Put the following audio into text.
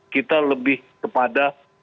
kita lebih kepada